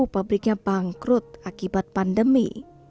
pabriknya pangkrut akibat pandemi